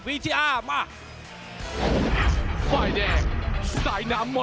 วิทีอาร์มา